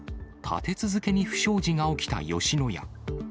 立て続けに不祥事が起きた吉野家。